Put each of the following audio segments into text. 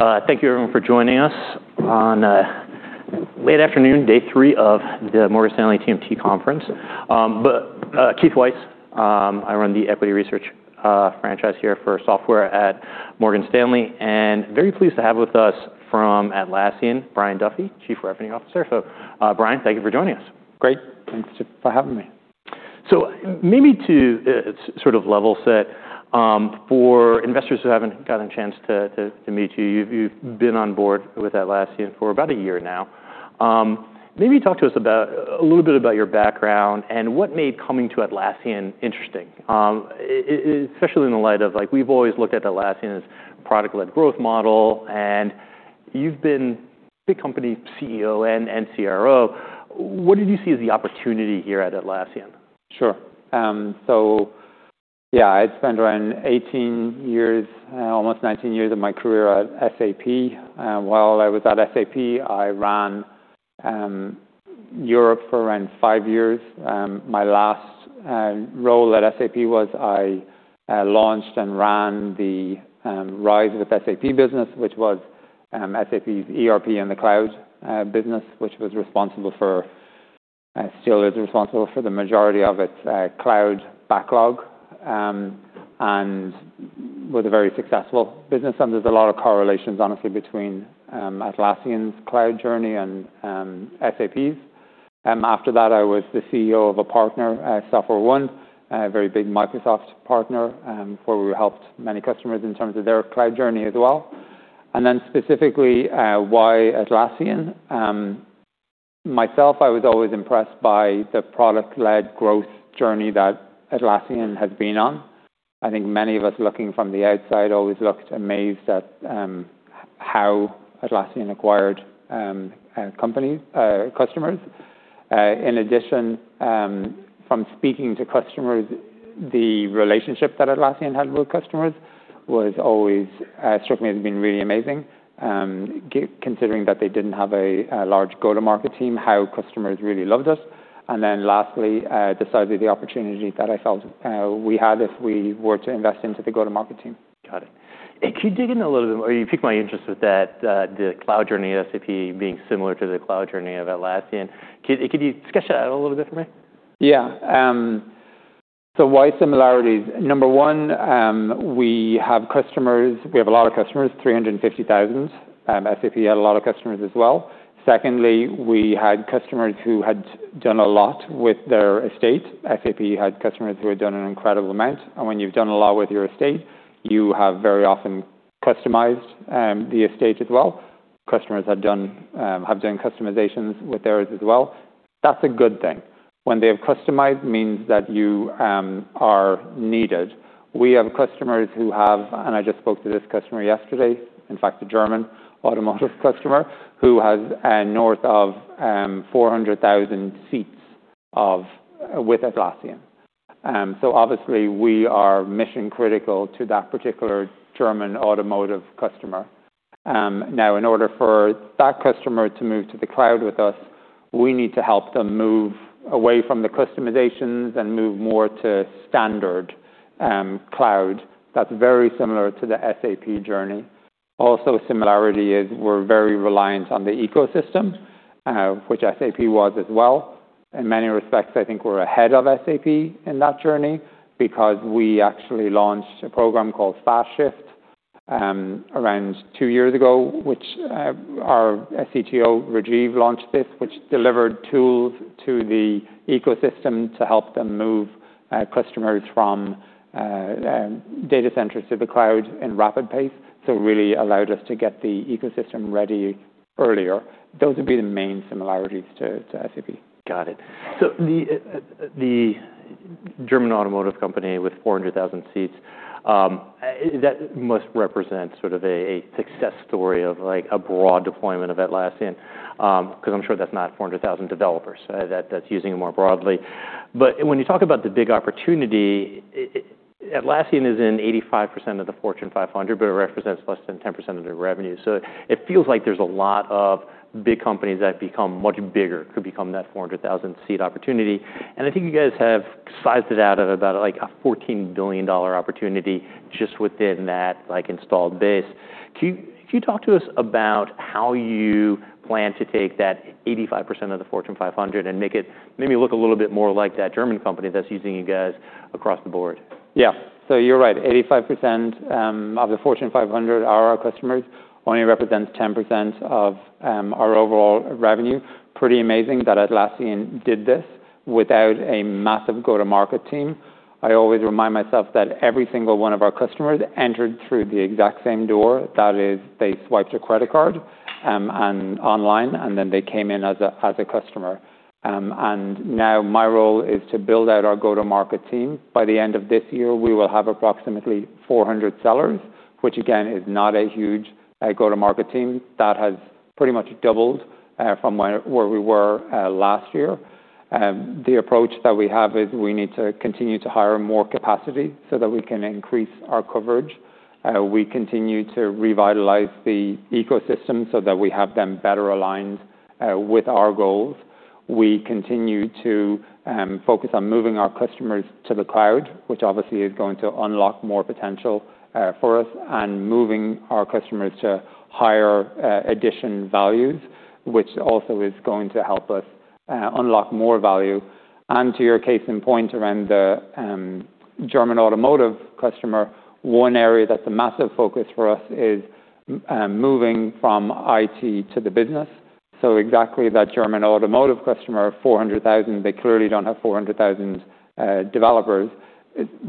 Excellent. Thank you everyone for joining us on late afternoon, day three of the Morgan Stanley TMT conference. Keith Weiss. I run the equity research franchise here for software at Morgan Stanley, and very pleased to have with us from Atlassian, Brian Duffy, Chief Revenue Officer. Brian, thank you for joining us. Great. Thank you for having me. Maybe to sort of level set, for investors who haven't gotten a chance to meet you've been on board with Atlassian for about a year now. Maybe talk to us about, a little bit about your background and what made coming to Atlassian interesting, especially in the light of, like, we've always looked at Atlassian as product-led growth model, and you've been big company CEO and CRO. What did you see as the opportunity here at Atlassian? Sure. Yeah, I spent around 18 years, almost 19 years of my career at SAP. While I was at SAP, I ran Europe for around five years. My last role at SAP was I launched and ran the RISE with SAP business, which was SAP's ERP in the cloud business, which was responsible for... still is responsible for the majority of its cloud backlog, and was a very successful business. There's a lot of correlations honestly between Atlassian's cloud journey and SAP's. After that, I was the CEO of a partner at SoftwareOne, a very big Microsoft partner, where we helped many customers in terms of their cloud journey as well. Then specifically, why Atlassian. Myself, I was always impressed by the product-led growth journey that Atlassian has been on. I think many of us looking from the outside always looked amazed at how Atlassian acquired customers. In addition, from speaking to customers, the relationship that Atlassian had with customers was always certainly has been really amazing, considering that they didn't have a large go-to-market team, how customers really loved us. Lastly, decidedly the opportunity that I felt we had if we were to invest into the go-to-market team. Got it. Can you dig in a little bit more? You piqued my interest with that, the cloud journey at SAP being similar to the cloud journey of Atlassian. Can you sketch that out a little bit for me? Yeah. So why similarities? Number one, We have a lot of customers, 350,000. SAP had a lot of customers as well. Secondly, we had customers who had done a lot with their estate. SAP had customers who had done an incredible amount. When you've done a lot with your estate, you have very often customized the estate as well. Customers have done customizations with theirs as well. That's a good thing. When they have customized means that you are needed. We have customers who have, and I just spoke to this customer yesterday, in fact, a German automotive customer, who has north of 400,000 seats of, with Atlassian. Obviously we are mission critical to that particular German automotive customer. In order for that customer to move to the cloud with us, we need to help them move away from the customizations and move more to standard cloud. That's very similar to the SAP journey. Similarity is we're very reliant on the ecosystem, which SAP was as well. In many respects, I think we're ahead of SAP in that journey because we actually launched a program called FastShift, around two years ago, which our CTO, Rajeev, launched this, which delivered tools to the ecosystem to help them move customers from Data Centers to the cloud in rapid pace. Really allowed us to get the ecosystem ready earlier. Those would be the main similarities to SAP. Got it. The German automotive company with 400,000 seats, that must represent sort of a success story of, like, a broad deployment of Atlassian, 'cause I'm sure that's not 400,000 developers. That's using it more broadly. When you talk about the big opportunity, Atlassian is in 85% of the Fortune 500, but it represents less than 10% of their revenue. It feels like there's a lot of big companies that become much bigger, could become that 400,000 seat opportunity. I think you guys have sized it out at about, like, a $14 billion opportunity just within that, like, installed base. Can you talk to us about how you plan to take that 85% of the Fortune 500 and make it maybe look a little bit more like that German company that's using you guys across the board? Yeah. You're right, 85% of the Fortune 500 are our customers, only represents 10% of our overall revenue. Pretty amazing that Atlassian did this without a massive go-to-market team. I always remind myself that every single one of our customers entered through the exact same door. That is, they swiped a credit card online, they came in as a customer. Now my role is to build out our go-to-market team. By the end of this year, we will have approximately 400 sellers, which again, is not a huge go-to-market team. That has pretty much doubled from where we were last year. The approach that we have is we need to continue to hire more capacity so that we can increase our coverage. We continue to revitalize the ecosystem so that we have them better aligned with our goals. We continue to focus on moving our customers to the cloud, which obviously is going to unlock more potential for us, and moving our customers to higher edition values, which also is going to help us unlock more value. To your case in point around the German automotive customer, one area that's a massive focus for us is moving from IT to the business. Exactly that German automotive customer of 400,000, they clearly don't have 400,000 developers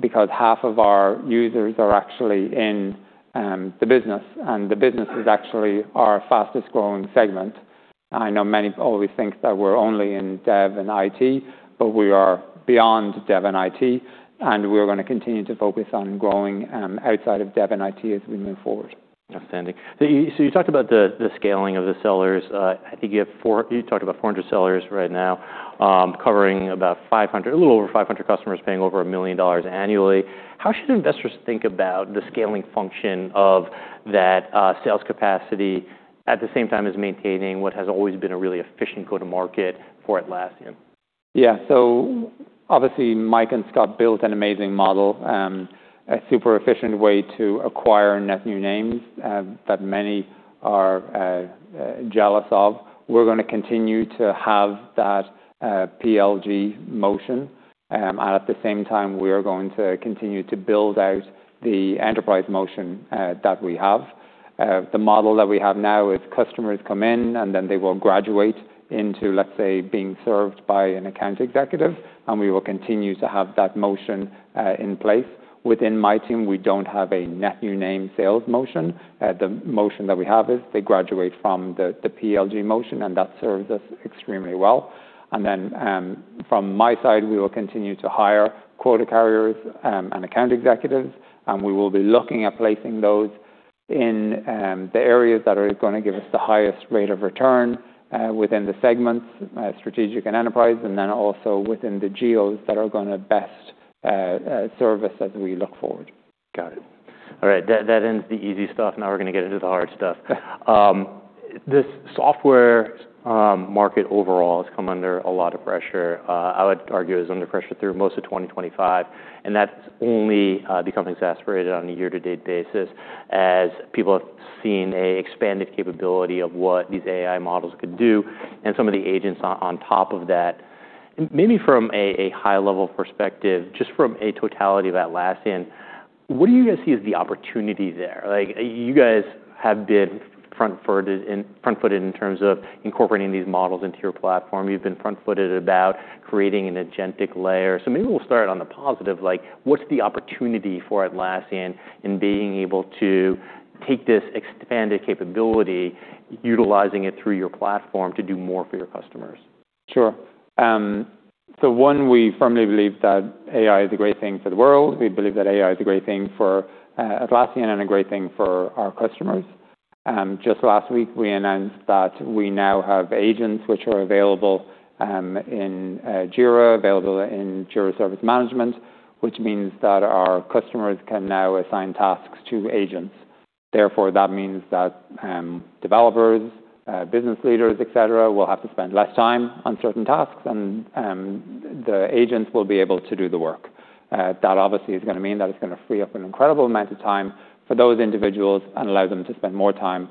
because half of our users are actually in the business, and the business is actually our fastest-growing segment. I know many always think that we're only in dev and IT, but we are beyond dev and IT, and we're gonna continue to focus on growing, outside of dev and IT as we move forward. Outstanding. You talked about the scaling of the sellers. You talked about 400 sellers right now, covering about 500 customers paying over $1 million annually. How should investors think about the scaling function of that sales capacity at the same time as maintaining what has always been a really efficient go-to-market for Atlassian? Obviously, Mike and Scott built an amazing model, a super efficient way to acquire net new names, that many are jealous of. We're gonna continue to have that PLG motion. At the same time, we are going to continue to build out the enterprise motion that we have. The model that we have now is customers come in, they will graduate into, let's say, being served by an account executive, we will continue to have that motion in place. Within my team, we don't have a net new name sales motion. The motion that we have is they graduate from the PLG motion, that serves us extremely well. From my side, we will continue to hire quota carriers, and account executives, and we will be looking at placing those in, the areas that are gonna give us the highest rate of return, within the segments, strategic and enterprise, and then also within the geos that are gonna best serve us as we look forward. Got it. All right. That ends the easy stuff. Now we're gonna get into the hard stuff. This software market overall has come under a lot of pressure. I would argue is under pressure through most of 2025, and that's only become exacerbated on a year-to-date basis as people have seen a expanded capability of what these AI models could do and some of the agents on top of that. Maybe from a high-level perspective, just from a totality of Atlassian, what do you guys see as the opportunity there? Like, you guys have been front-footed in terms of incorporating these models into your platform. You've been front-footed about creating an agentic layer. Maybe we'll start on the positive, like, what's the opportunity for Atlassian in being able to take this expanded capability, utilizing it through your platform to do more for your customers? Sure. One, we firmly believe that AI is a great thing for the world. We believe that AI is a great thing for Atlassian and a great thing for our customers. Just last week, we announced that we now have agents which are available in Jira, available in Jira Service Management, which means that our customers can now assign tasks to agents. Therefore, that means that developers, business leaders, et cetera, will have to spend less time on certain tasks and the agents will be able to do the work. That obviously is gonna mean that it's gonna free up an incredible amount of time for those individuals and allow them to spend more time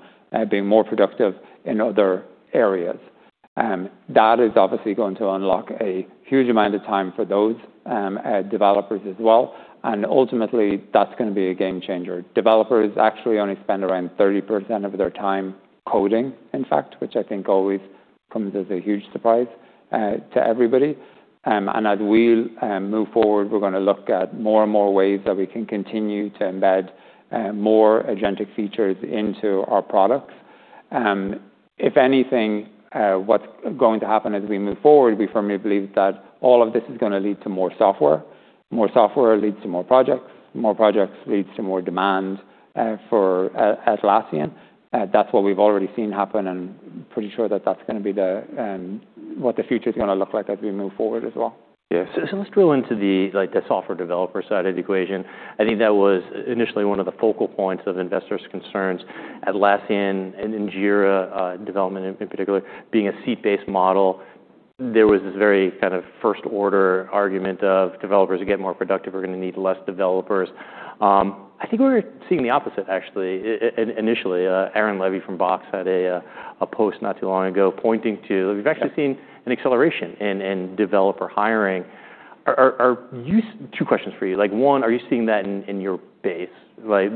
being more productive in other areas. That is obviously going to unlock a huge amount of time for those developers as well, and ultimately, that's gonna be a game changer. Developers actually only spend around 30% of their time coding, in fact, which I think always comes as a huge surprise to everybody. As we move forward, we're gonna look at more and more ways that we can continue to embed more agentic features into our products. If anything, what's going to happen as we move forward, we firmly believe that all of this is gonna lead to more software. More software leads to more projects. More projects leads to more demand for Atlassian. That's what we've already seen happen, and pretty sure that that's gonna be the what the future is gonna look like as we move forward as well. Let's drill into the, like, the software developer side of the equation. I think that was initially one of the focal points of investors' concerns, Atlassian and in Jira, development in particular, being a seat-based model. There was this very kind of first-order argument of developers who get more productive are gonna need less developers. I think we're seeing the opposite actually initially. Aaron Levie from Box had a post not too long ago pointing to. Yeah. We've actually seen an acceleration in developer hiring. Two questions for you. One, are you seeing that in your base?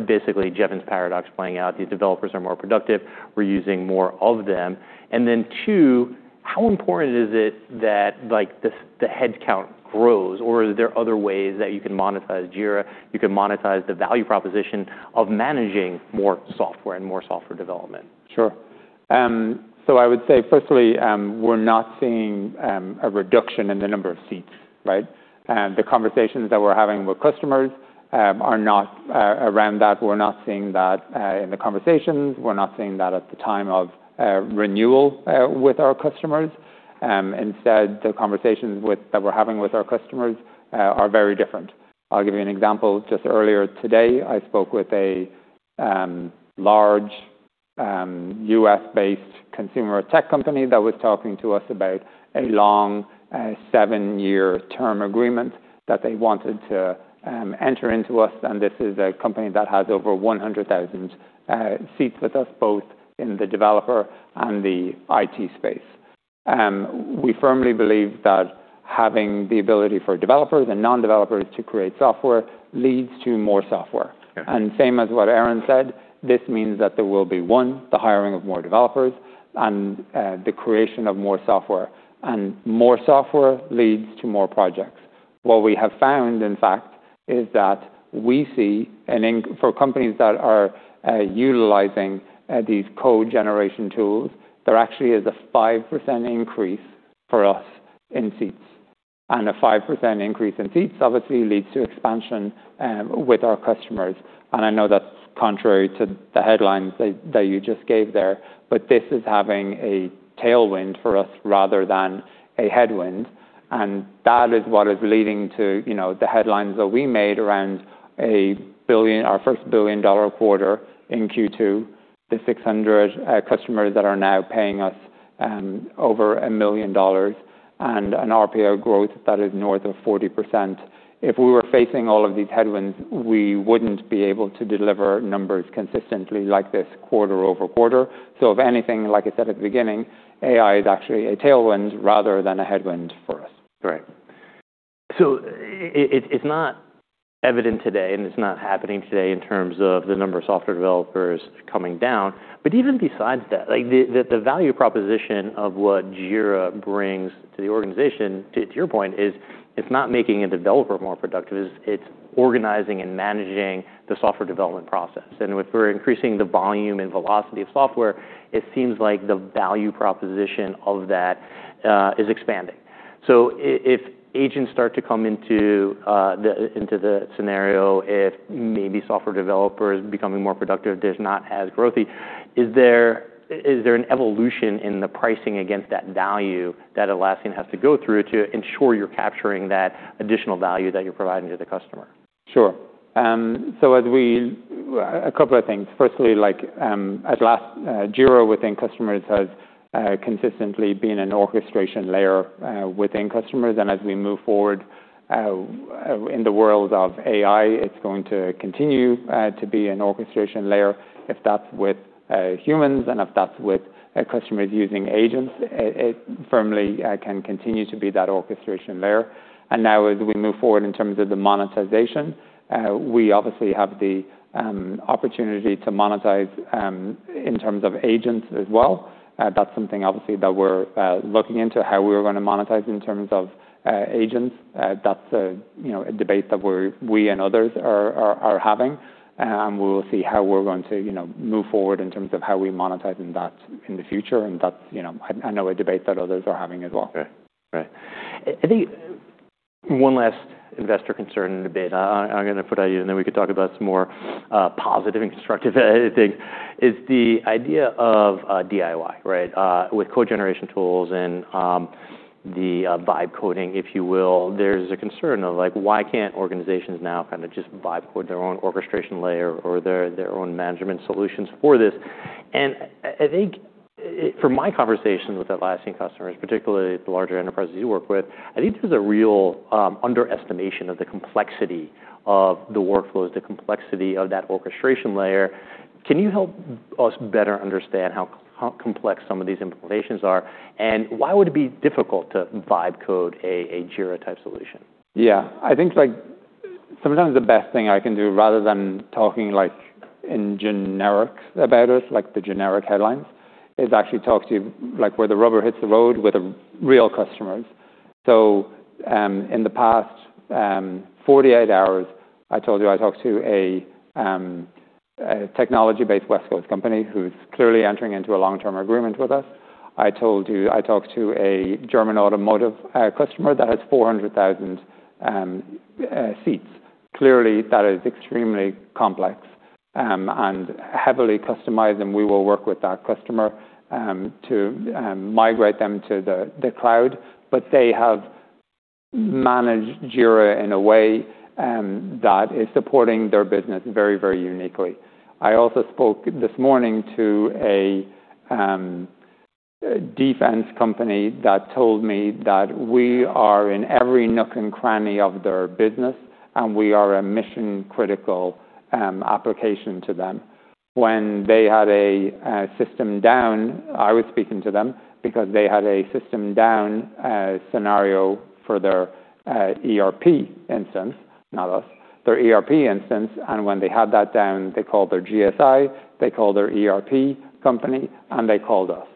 Basically Jevons paradox playing out. These developers are more productive. We're using more of them. Two, how important is it that this, the headcount grows or are there other ways that you can monetize Jira, you can monetize the value proposition of managing more software and more software development? Sure. I would say firstly, we're not seeing a reduction in the number of seats, right? The conversations that we're having with customers are not around that. We're not seeing that in the conversations. We're not seeing that at the time of renewal with our customers. Instead, the conversations with, that we're having with our customers are very different. I'll give you an example. Just earlier today, I spoke with a large U.S.-based consumer tech company that was talking to us about a long, seven-year term agreement that they wanted to enter into us. This is a company that has over 100,000 seats with us, both in the developer and the IT space. We firmly believe that having the ability for developers and non-developers to create software leads to more software. Okay. Same as what Aaron said, this means that there will be, one, the hiring of more developers and the creation of more software. More software leads to more projects. What we have found, in fact, is that we see for companies that are utilizing these code generation tools, there actually is a 5% increase for us in seats. A 5% increase in seats obviously leads to expansion with our customers. I know that's contrary to the headlines that you just gave there, but this is having a tailwind for us rather than a headwind. That is what is leading to, you know, the headlines that we made around our first billion dollar quarter in Q2, the 600 customers that are now paying us over $1 million, and an RPO growth that is north of 40%. If we were facing all of these headwinds, we wouldn't be able to deliver numbers consistently like this quarter-over-quarter. If anything, like I said at the beginning, AI is actually a tailwind rather than a headwind for us. Great. It's not evident today, and it's not happening today in terms of the number of software developers coming down. Even besides that, like, the value proposition of what Jira brings to the organization, to your point, is it's not making a developer more productive, it's organizing and managing the software development process. If we're increasing the volume and velocity of software, it seems like the value proposition of that is expanding. If agents start to come into the scenario, if maybe software developers becoming more productive is not as growthy, is there an evolution in the pricing against that value that Atlassian has to go through to ensure you're capturing that additional value that you're providing to the customer? Sure. A couple of things. Firstly, like, Atlassian, Jira within customers has consistently been an orchestration layer within customers. As we move forward in the world of AI, it's going to continue to be an orchestration layer. If that's with humans and if that's with customers using agents, it firmly can continue to be that orchestration layer. Now as we move forward in terms of the monetization, we obviously have the opportunity to monetize in terms of agents as well. That's something obviously that we're looking into how we're gonna monetize in terms of agents. That's a, you know, a debate that we're, we and others are having. We will see how we're going to, you know, move forward in terms of how we monetize in that in the future. That's, you know, I know a debate that others are having as well. Okay. Great. I think one last investor concern and debate, I'm gonna put at you, and then we can talk about some more positive and constructive things, is the idea of DIY, right? With code generation tools and the vibe coding, if you will. There's a concern of, like, why can't organizations now kinda just vibe code their own orchestration layer or their own management solutions for this? I think from my conversations with Atlassian customers, particularly the larger enterprises you work with, I think there's a real underestimation of the complexity of the workflows, the complexity of that orchestration layer. Can you help us better understand how complex some of these implementations are? And why would it be difficult to vibe code a Jira type solution? Yeah. I think, like, sometimes the best thing I can do, rather than talking, like, in generic about us, like the generic headlines, is actually talk to you, like, where the rubber hits the road with the real customers. In the past 48 hours, I told you I talked to a technology-based West Coast company who's clearly entering into a long-term agreement with us. I told you I talked to a German automotive customer that has 400,000 seats. Clearly, that is extremely complex and heavily customized, we will work with that customer to migrate them to the cloud. They have managed Jira in a way that is supporting their business very, very uniquely. I also spoke this morning to a defense company that told me that we are in every nook and cranny of their business, and we are a mission-critical application to them. When they had a system down, I was speaking to them because they had a system down scenario for their ERP instance, not us, their ERP instance, and when they had that down, they called their GSI, they called their ERP company, and they called us.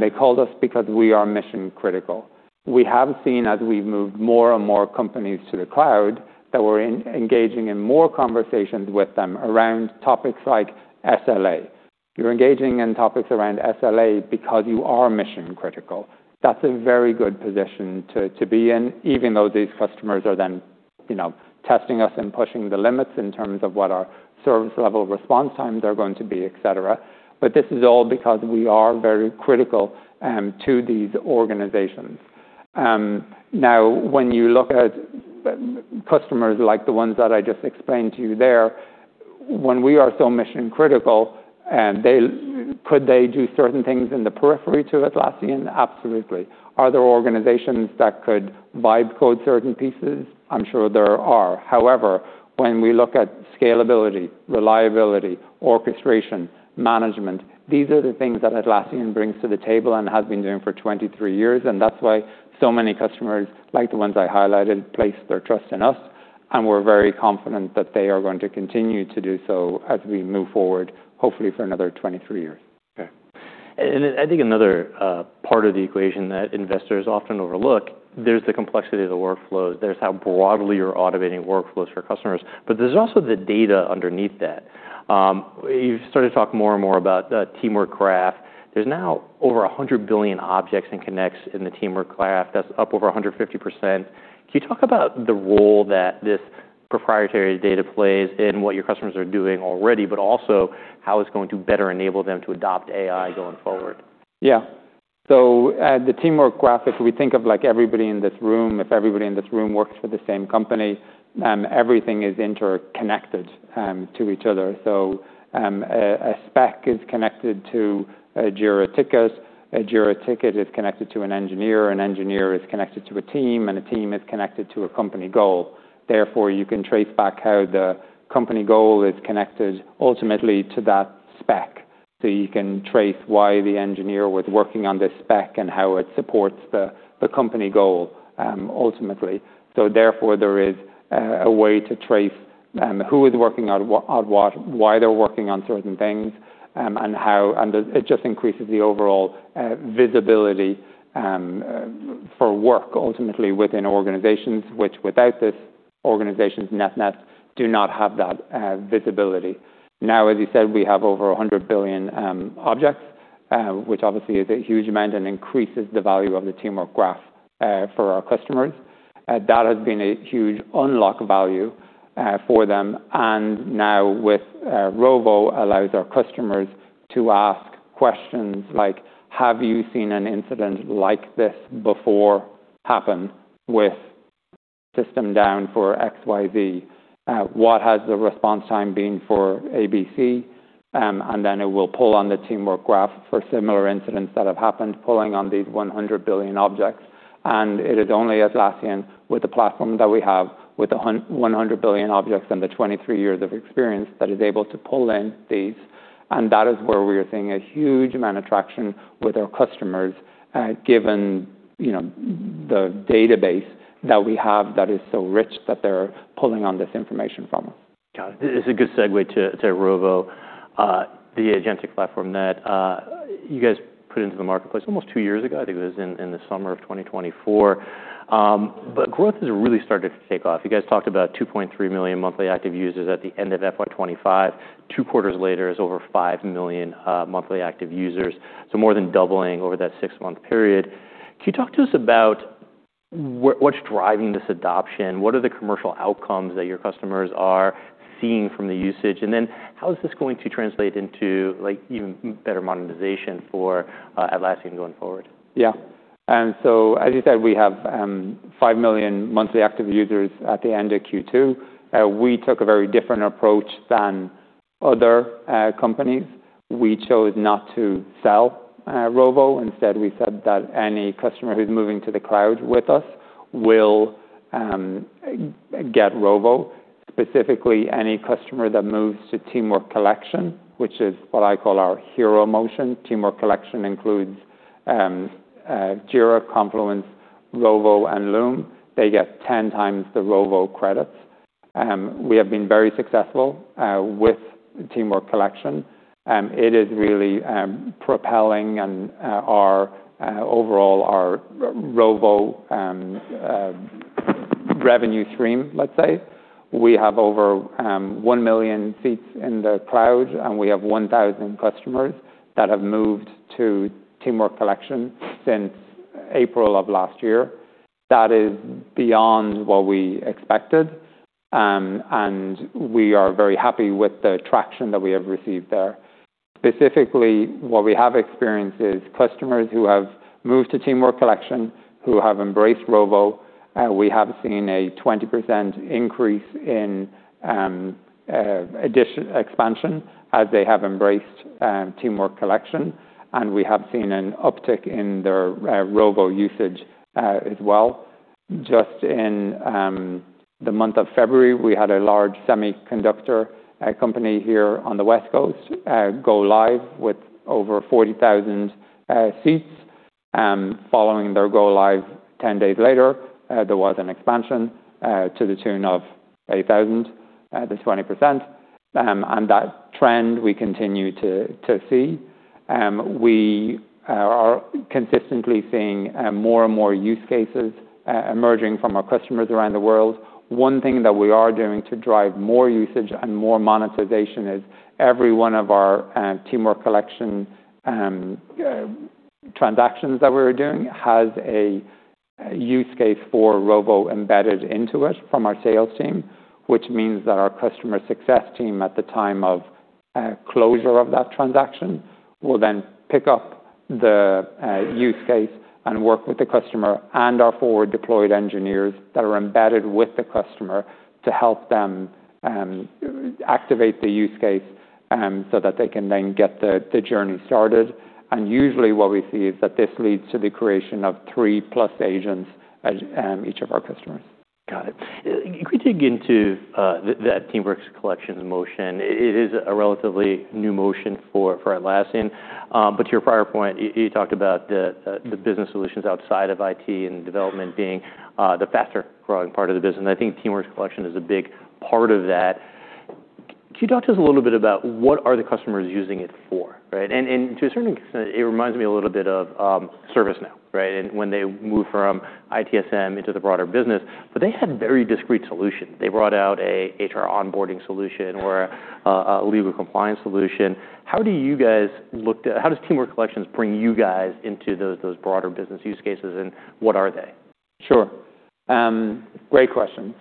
They called us because we are mission-critical. We have seen as we've moved more and more companies to the cloud, that we're engaging in more conversations with them around topics like SLA. You're engaging in topics around SLA because you are mission-critical. That's a very good position to be in, even though these customers are then, you know, testing us and pushing the limits in terms of what our service level response times are going to be, et cetera. This is all because we are very critical to these organizations. Now when you look at customers like the ones that I just explained to you there, when we are so mission-critical and could they do certain things in the periphery to Atlassian? Absolutely. Are there organizations that could buy code certain pieces? I'm sure there are. When we look at scalability, reliability, orchestration, management, these are the things that Atlassian brings to the table and has been doing for 23 years. That's why so many customers, like the ones I highlighted, place their trust in us. We're very confident that they are going to continue to do so as we move forward, hopefully for another 23 years. Okay. I think another part of the equation that investors often overlook, there's the complexity of the workflows, there's how broadly you're automating workflows for customers, but there's also the data underneath that. You've started to talk more and more about the Teamwork Graph. There's now over 100 billion objects and connects in the Teamwork Graph. That's up over 150%. Can you talk about the role that this proprietary data plays in what your customers are doing already, but also how it's going to better enable them to adopt AI going forward? The Teamwork Graph, if we think of, like, everybody in this room, if everybody in this room works for the same company, everything is interconnected to each other. A spec is connected to a Jira ticket. A Jira ticket is connected to an engineer. An engineer is connected to a team, and a team is connected to a company goal. Therefore, you can trace back how the company goal is connected ultimately to that spec. You can trace why the engineer was working on this spec and how it supports the company goal ultimately. Therefore, there is a way to trace who is working on what, why they're working on certain things, and how... It just increases the overall visibility for work ultimately within organizations, which without this, organizations net-net do not have that visibility. As you said, we have over 100 billion objects, which obviously is a huge amount and increases the value of the Teamwork Graph for our customers. That has been a huge unlock value for them. Now with Rovo allows our customers to ask questions like, "Have you seen an incident like this before happen with system down for XYZ? What has the response time been for ABC?" Then it will pull on the Teamwork Graph for similar incidents that have happened, pulling on these 100 billion objects. It is only Atlassian with the platform that we have with 100 billion objects and 23 years of experience that is able to pull in these. That is where we are seeing a huge amount of traction with our customers, given, you know, the database that we have that is so rich that they're pulling on this information from. Got it. This is a good segue to Rovo, the agentic platform that you guys put into the marketplace almost two years ago. I think it was in the summer of 2024. Growth has really started to take off. You guys talked about 2.3 million monthly active users at the end of FY 2025. Two quarters later is over five million monthly active users. So more than doubling over that six-month period. Can you talk to us about what's driving this adoption? What are the commercial outcomes that your customers are seeing from the usage? How is this going to translate into, like, even better monetization for Atlassian going forward? As you said, we have five million monthly active users at the end of Q2. We took a very different approach than other companies. We chose not to sell Rovo. Instead, we said that any customer who's moving to the cloud with us will get Rovo. Specifically, any customer that moves to Teamwork Collection, which is what I call our hero motion. Teamwork Collection includes Jira, Confluence, Rovo, and Loom. They get 10 times the Rovo credits. We have been very successful with Teamwork Collection. It is really propelling our overall Rovo revenue stream, let's say. We have over one million seats in the cloud. We have 1,000 customers that have moved to Teamwork Collection since April of last year. That is beyond what we expected, and we are very happy with the traction that we have received there. Specifically, what we have experienced is customers who have moved to Teamwork Collection, who have embraced Rovo, we have seen a 20% increase in expansion as they have embraced Teamwork Collection, and we have seen an uptick in their Rovo usage as well. Just in the month of February, we had a large semiconductor company here on the West Coast, go live with over 40,000 seats. Following their go-live 10 days later, there was an expansion to the tune of 8,000, the 20%. That trend we continue to see. We are consistently seeing more and more use cases emerging from our customers around the world. One thing that we are doing to drive more usage and more monetization is every one of our Teamwork Collection transactions that we're doing has a use case for Rovo embedded into it from our sales team, which means that our customer success team at the time of closure of that transaction, we'll then pick up the use case and work with the customer and our Forward Deployed Engineer that are embedded with the customer to help them activate the use case so that they can then get the journey started. Usually what we see is that this leads to the creation of three-plus agents at each of our customers. Got it. Could we dig into that Teamwork Collection's motion? It is a relatively new motion for Atlassian. To your prior point, you talked about the business solutions outside of IT and development being the faster growing part of the business, and I think Teamwork Collection is a big part of that. Could you talk to us a little bit about what are the customers using it for, right? To a certain extent, it reminds me a little bit of ServiceNow, right, and when they moved from ITSM into the broader business. They had very discrete solutions. They brought out a HR onboarding solution or a legal compliance solution. How do you guys look at how does Teamwork Collections bring you guys into those broader business use cases, and what are they? Great question.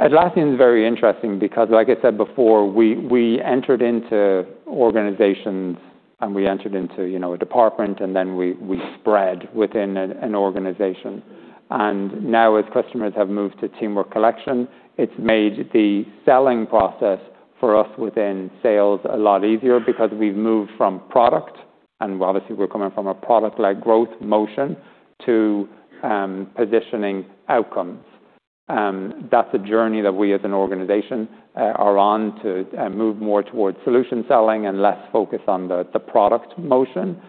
Atlassian is very interesting because, like I said before, we entered into organizations and we entered into, you know, a department, and then we spread within an organization. Now, as customers have moved to Teamwork Collection, it's made the selling process for us within sales a lot easier because we've moved from product, and obviously we're coming from a product-led growth motion, to positioning outcomes. That's a journey that we as an organization are on to move more towards solution selling and less focus on the product motion.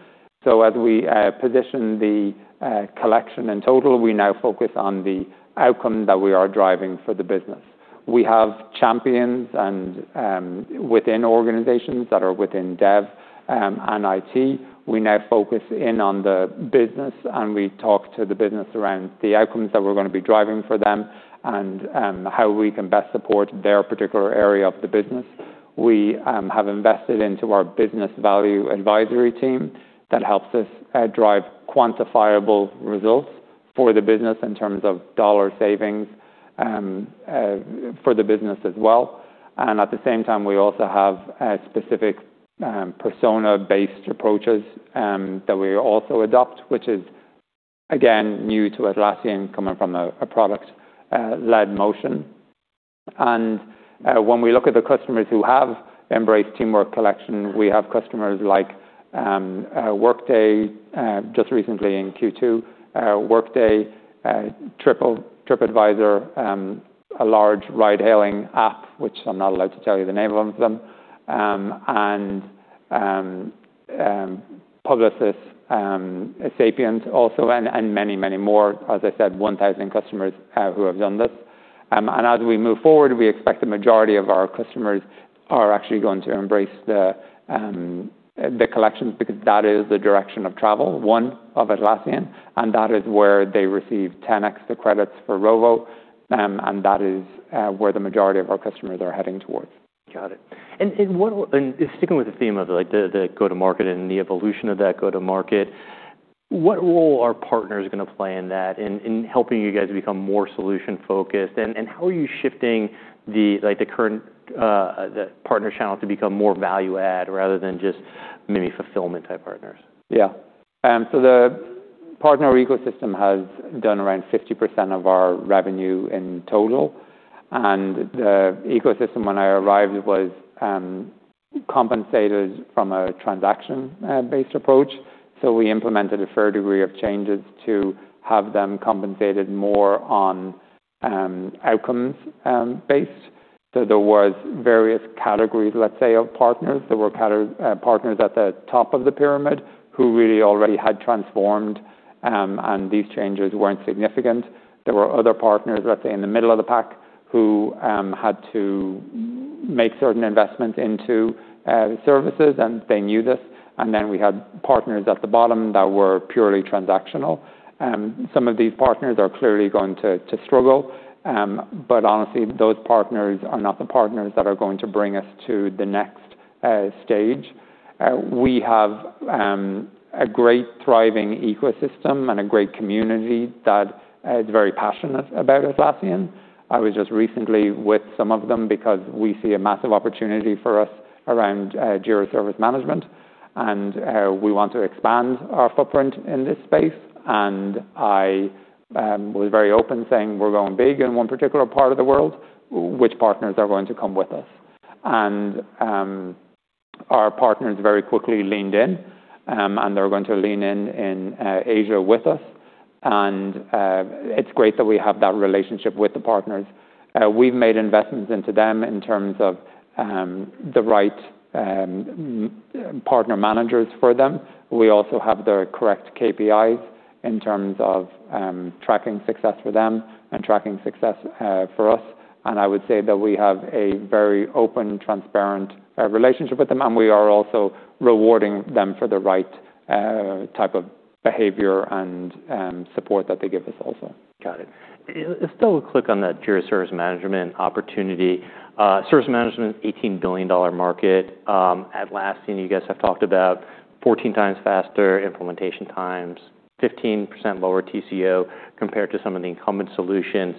As we position the collection in total, we now focus on the outcome that we are driving for the business. We have champions and within organizations that are within dev and IT. We now focus in on the business, and we talk to the business around the outcomes that we're gonna be driving for them and how we can best support their particular area of the business. We have invested into our Business Value Advisory team that helps us drive quantifiable results for the business in terms of dollar savings for the business as well. At the same time, we also have a specific persona-based approaches that we also adopt, which is again new to Atlassian coming from a product led motion. When we look at the customers who have embraced Teamwork Collection, we have customers like Workday, just recently in Q2, Workday, Tripadvisor, a large ride-hailing app, which I'm not allowed to tell you the name of them, and Publicis Sapient also, and many more, as I said, 1,000 customers who have done this. As we move forward, we expect the majority of our customers are actually going to embrace the collections because that is the direction of travel, one of Atlassian, and that is where they receive 10x the credits for Rovo, and that is where the majority of our customers are heading towards. Got it. Sticking with the theme of, like, the go-to-market and the evolution of that go-to-market, what role are partners gonna play in that in helping you guys become more solution-focused? How are you shifting the, like, the current partner channel to become more value-add rather than just maybe fulfillment type partners? Yeah. The partner ecosystem has done around 50% of our revenue in total. The ecosystem when I arrived was compensated from a transaction-based approach, so we implemented a fair degree of changes to have them compensated more on outcomes-based. There was various categories, let's say, of partners. There were partners at the top of the pyramid who really already had transformed, and these changes weren't significant. There were other partners, let's say, in the middle of the pack who had to make certain investments into services, and they knew this. Then we had partners at the bottom that were purely transactional. Some of these partners are clearly going to struggle, honestly, those partners are not the partners that are going to bring us to the next stage. We have a great thriving ecosystem and a great community that is very passionate about Atlassian. I was just recently with some of them because we see a massive opportunity for us around Jira Service Management, and we want to expand our footprint in this space. I was very open saying we're going big in one particular part of the world, which partners are going to come with us? Our partners very quickly leaned in, and they're going to lean in Asia with us. It's great that we have that relationship with the partners. We've made investments into them in terms of the right partner managers for them. We also have the correct KPIs in terms of tracking success for them and tracking success for us. I would say that we have a very open and transparent relationship with them, and we are also rewarding them for the right type of behavior and support that they give us also. Got it. Still click on that Jira Service Management opportunity. Service management, $18 billion market. Atlassian, you guys have talked about 14 times faster implementation times, 15% lower TCO compared to some of the incumbent solutions.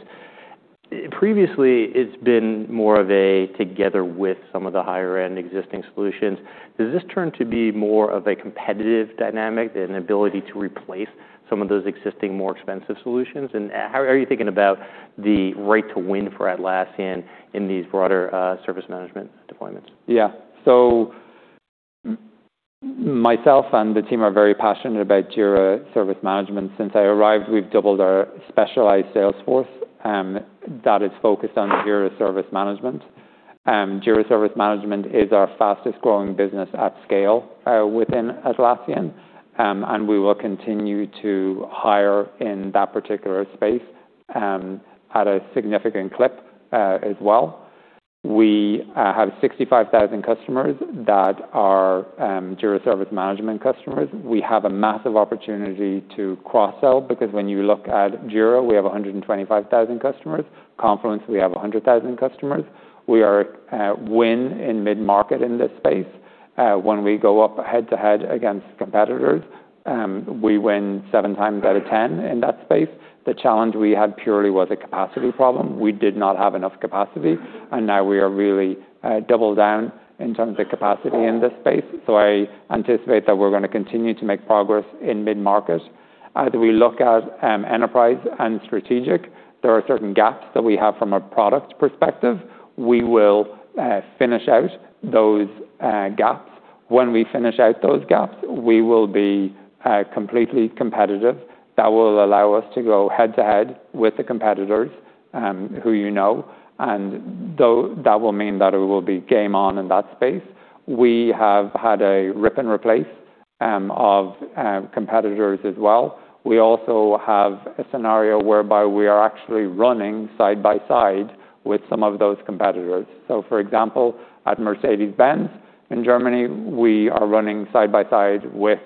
Previously, it's been more of a together with some of the higher end existing solutions. Does this turn to be more of a competitive dynamic than an ability to replace some of those existing, more expensive solutions? How are you thinking about the right to win for Atlassian in these broader service management deployments? Myself and the team are very passionate about Jira Service Management. Since I arrived, we've doubled our specialized sales force that is focused on Jira Service Management. Jira Service Management is our fastest-growing business at scale within Atlassian, and we will continue to hire in that particular space at a significant clip as well. We have 65,000 customers that are Jira Service Management customers. We have a massive opportunity to cross-sell because when you look at Jira, we have 125,000 customers. Confluence, we have 100,000 customers. We are win in mid-market in this space. When we go up head-to-head against competitors, we win seven times out of 10 in that space. The challenge we had purely was a capacity problem. We did not have enough capacity. Now we are really double down in terms of capacity in this space. I anticipate that we're gonna continue to make progress in mid-market. As we look at enterprise and strategic, there are certain gaps that we have from a product perspective. We will finish out those gaps. When we finish out those gaps, we will be completely competitive. That will allow us to go head-to-head with the competitors, who you know, and that will mean that it will be game on in that space. We have had a rip and replace of competitors as well. We also have a scenario whereby we are actually running side by side with some of those competitors. For example, at Mercedes-Benz in Germany, we are running side by side with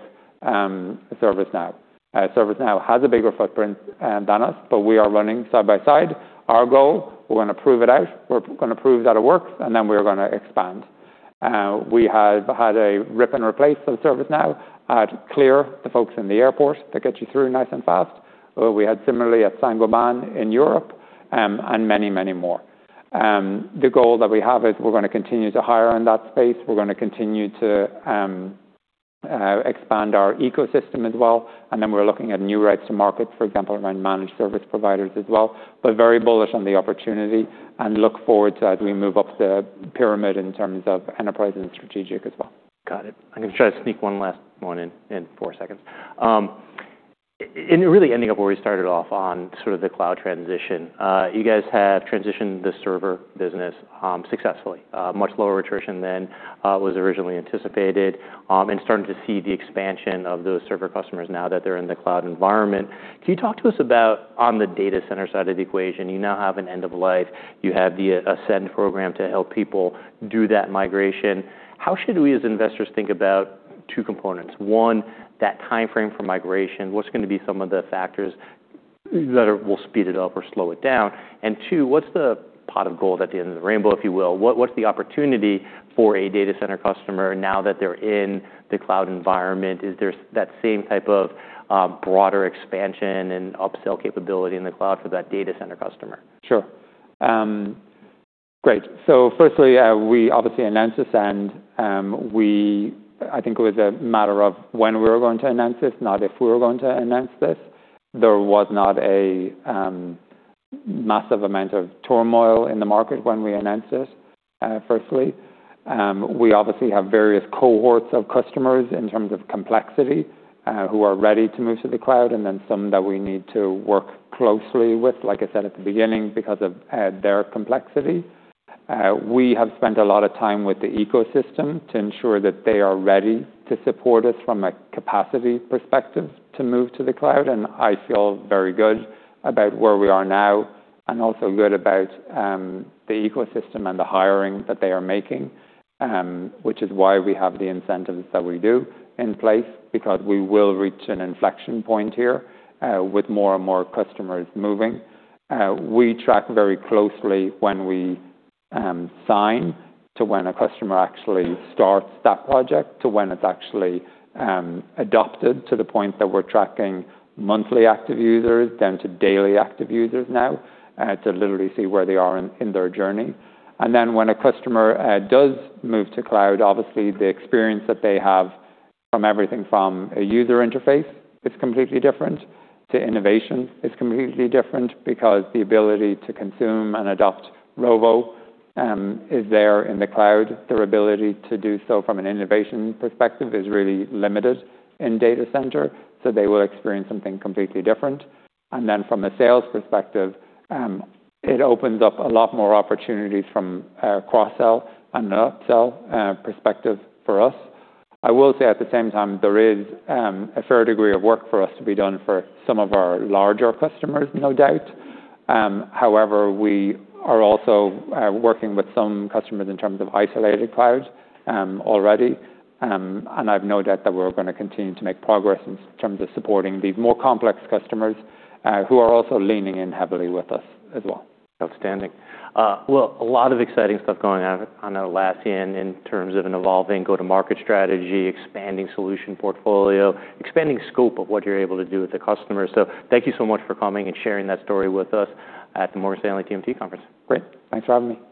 ServiceNow. ServiceNow has a bigger footprint than us, we are running side by side. Our goal, we're gonna prove it out. We're gonna prove that it works, we're gonna expand. We have had a rip and replace of ServiceNow at CLEAR, the folks in the airport that get you through nice and fast. We had similarly at Saint-Gobain in Europe, many, many more. The goal that we have is we're gonna continue to hire in that space. We're gonna continue to expand our ecosystem as well, we're looking at new rights to market, for example, around managed service providers as well. We're very bullish on the opportunity and look forward to as we move up the pyramid in terms of enterprise and strategic as well. Got it. I'm gonna try to sneak one last one in in four seconds. Really ending up where we started off on sort of the cloud transition. You guys have transitioned the server business successfully, much lower attrition than was originally anticipated, and starting to see the expansion of those server customers now that they're in the cloud environment. Can you talk to us about on the Data Center side of the equation, you now have an end of life. You have the Ascend program to help people do that migration. How should we as investors think about two components? One, that timeframe for migration, what's gonna be some of the factors that will speed it up or slow it down? Two, what's the pot of gold at the end of the rainbow, if you will? What's the opportunity for a Data Center customer now that they're in the cloud environment? Is there that same type of broader expansion and upsell capability in the cloud for that Data Center customer? Sure. Great. Firstly, we obviously announced this and I think it was a matter of when we were going to announce this, not if we were going to announce this. There was not a massive amount of turmoil in the market when we announced this, firstly. We obviously have various cohorts of customers in terms of complexity, who are ready to move to the cloud, and then some that we need to work closely with, like I said at the beginning, because of their complexity. We have spent a lot of time with the ecosystem to ensure that they are ready to support us from a capacity perspective to move to the cloud, and I feel very good about where we are now and also good about the ecosystem and the hiring that they are making, which is why we have the incentives that we do in place, because we will reach an inflection point here with more and more customers moving. We track very closely when we sign to when a customer actually starts that project to when it's actually adopted to the point that we're tracking monthly active users down to daily active users now, to literally see where they are in their journey. When a customer does move to cloud, obviously the experience that they have from everything from a user interface is completely different to innovation is completely different because the ability to consume and adopt Rovo is there in the cloud. Their ability to do so from an innovation perspective is really limited in Data Center, so they will experience something completely different. From a sales perspective, it opens up a lot more opportunities from a cross-sell and an upsell perspective for us. I will say at the same time, there is a fair degree of work for us to be done for some of our larger customers, no doubt. However, we are also working with some customers in terms of isolated cloud already, and I've no doubt that we're gonna continue to make progress in terms of supporting the more complex customers, who are also leaning in heavily with us as well. Outstanding. Well, a lot of exciting stuff going on at Atlassian in terms of an evolving go-to-market strategy, expanding solution portfolio, expanding scope of what you're able to do with the customers. Thank you so much for coming and sharing that story with us at the Morgan Stanley TMT conference. Great. Thanks for having me.